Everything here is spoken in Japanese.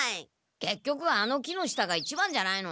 けっきょくあの木の下が一番じゃないの？